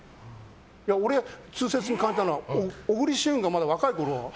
いや、俺が痛切に感じたのは小栗旬がまだ若いころ